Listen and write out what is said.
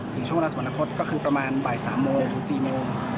หรือช่วงหน้าสวรรคตก็คือประมาณบ่ายสามโมงถึงสี่โมง